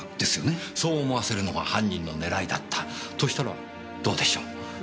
そう思わせるのが犯人の狙いだったとしたらどうでしょう？